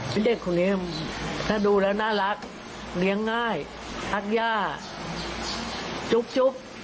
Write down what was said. พี่เด็กเขานั้นก็ดูเราน่ารักเหลี้ยงง่ายรักหญ้าจุ๊บจุ๊บ